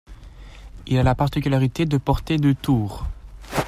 Il a la particularité de porter deux tours.